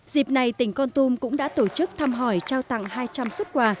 dịp này tỉnh con tum cũng đã tổ chức thăm hỏi trao tặng hai trăm linh xuất quà